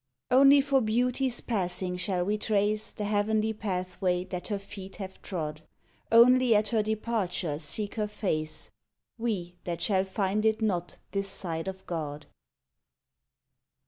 Only for Beauty s passing shall we trace The heavenly pathway that her feet have trod; Only at her departure seek her face We that shall find it not this side of God.